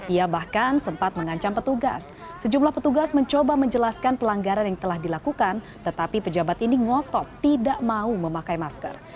ia bahkan sempat mengancam petugas sejumlah petugas mencoba menjelaskan pelanggaran yang telah dilakukan tetapi pejabat ini ngotot tidak mau memakai masker